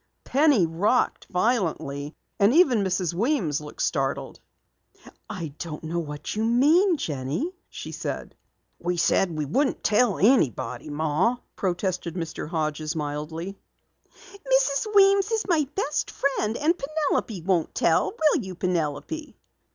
Penny rocked violently and even Mrs. Weems looked startled. "I don't know what you mean, Jenny," she said. "We said we wouldn't tell anybody, Ma," protested Mr. Hodges mildly. "Mrs. Weems is my best friend, and Penelope won't tell. Will you, Penelope?"